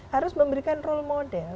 harus memberikan role model